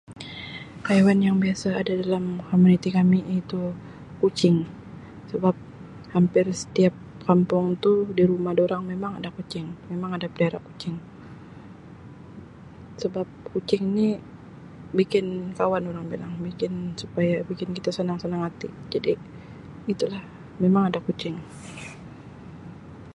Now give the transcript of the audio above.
Haiwan yang biasa ada dalam komuniti kami iaitu kucing sebab hampir setiap kampung tu di rumah dorang memang ada kucing memang ada pelihara kucing sebab kucing ni bikin kawan orang bilang bikin supaya bikin kita senang-senang hati jadi itulah memang ada kucing.